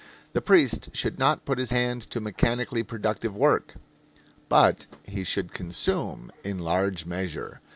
The priest should not put his hand to mechanically productive work; but he should consume in large measure.